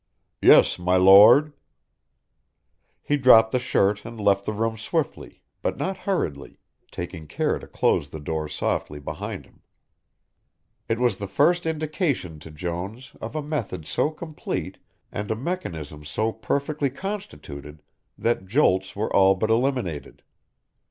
"Yes, my Lord." He dropped the shirt and left the room swiftly, but not hurriedly, taking care to close the door softly behind him. It was the first indication to Jones of a method so complete and a mechanism so perfectly constituted, that jolts were all but eliminated.